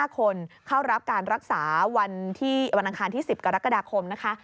๕คนเข้ารับการรักษาวันอังคารที่๑๐กรกฎาคมนะคะ